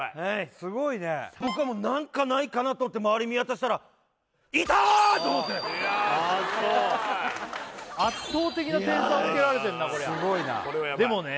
すごいね何かないかなと思って周り見渡したらいたー！と思っていやすごい圧倒的な点差をつけられてんなこりゃすごいなでもね